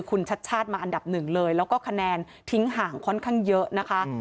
คุณชัดชาติมาอันดับหนึ่งเลยแล้วก็คะแนนทิ้งห่างค่อนข้างเยอะนะคะ